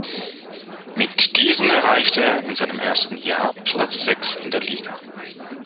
Mit diesen erreichte er in seinem ersten Jahr Platz sechs in der Liga.